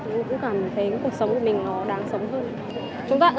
em cũng cảm thấy cuộc sống của mình nó đáng sống hơn